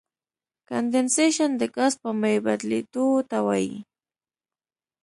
کنډېنسیشن د ګاز په مایع بدلیدو ته وایي.